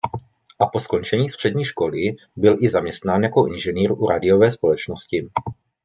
A po skončení střední školy byl i zaměstnán jako inženýr u radiové společnosti.